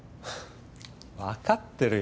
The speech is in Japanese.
わかってるよ